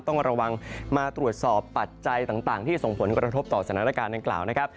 ต้องระวังมาตรวจสอบปัจจัยต่างที่ส่งผลกระทบต่อสถานการณ์ดังกล่าวนะครับ